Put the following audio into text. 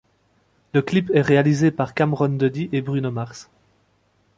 Le clip est réalisé par Cameron Duddy et Bruno Mars.